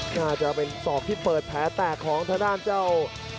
น่าจะเป็นศอกที่เปิดแผลแตกของทางด้านเจ้า